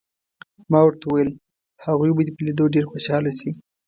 ما ورته وویل: هغوی به دې په لیدو ډېر خوشحاله شي.